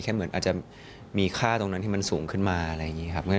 แค่เหมือนอาจจะมีค่าตรงนั้นที่มันสูงขึ้นมา